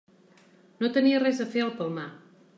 No tenia res a fer al Palmar.